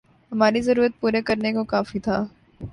ہماری ضرورت پوری کرنے کو کافی تھا